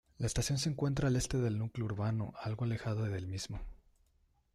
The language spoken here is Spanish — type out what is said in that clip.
La estación se encuentra al este del núcleo urbano algo alejada del mismo.